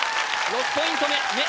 ６ポイント目「目」